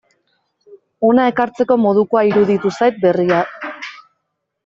Hona ekartzeko modukoa iruditu zait berria.